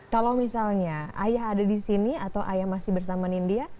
kalau misalnya ayah ada di sini atau ayah masih bersama nindya